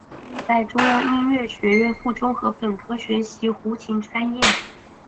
在中央音乐学院附中和本科学习胡琴专业。